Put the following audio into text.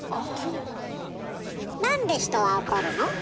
なんで人は怒るの？